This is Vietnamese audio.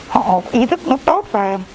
họ ý thức nó tốt và